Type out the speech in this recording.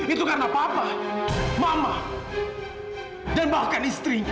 itu karena papa mama dan bahkan istri